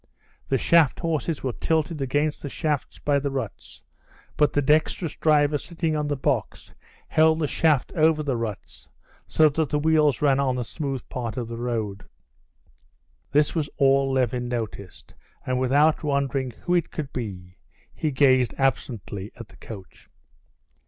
The shaft horses were tilted against the shafts by the ruts, but the dexterous driver sitting on the box held the shaft over the ruts, so that the wheels ran on the smooth part of the road. This was all Levin noticed, and without wondering who it could be, he gazed absently at the coach.